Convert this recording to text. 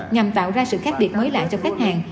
nhằm tạo ra sự khác biệt mới lạ cho khách hàng